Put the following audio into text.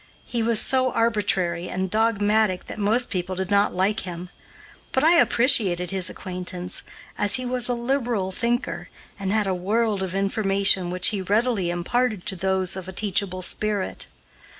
He was so arbitrary and dogmatic that most people did not like him; but I appreciated his acquaintance, as he was a liberal thinker and had a world of information which he readily imparted to those of a teachable spirit.